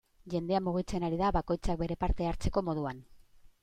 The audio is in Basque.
Jendea mugitzen ari da, bakoitza bere parte hartzeko moduan.